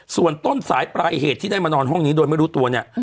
ส่วนต้นสายปลายเหตุที่ได้มานอนห้องนี้โดยไม่รู้ตัวเนี่ย